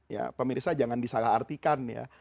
ya pemirsa jangan disalah artikan ya